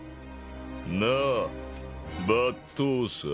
なあ抜刀斎。